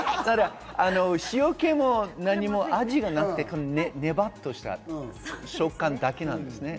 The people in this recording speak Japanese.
塩気も何も味がなくて、ネバっとした食感だけなんです。